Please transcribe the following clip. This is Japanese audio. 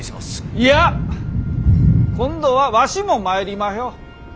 いや今度はわしも参りまひょ。